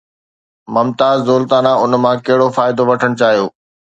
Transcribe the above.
ممتاز دولتانه ان مان ڪهڙو فائدو وٺڻ چاهيو؟